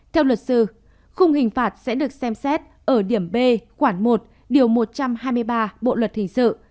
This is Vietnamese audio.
theo luật sư khung hình phạt sẽ được xem xét ở điểm b khoảng một điều một trăm hai mươi ba bộ luật hình sự